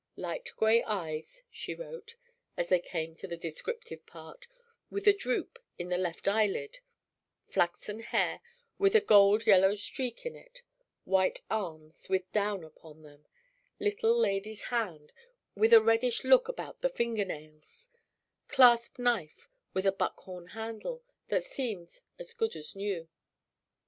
"Light gray eyes," she wrote, as they came to the descriptive part, "with a droop in the left eyelid; flaxen hair, with a gold yellow streak in it; white arms, with a down upon them; little lady's hand, with a reddish look about the finger nails; clasp knife with a buck horn handle, that seemed as good as new."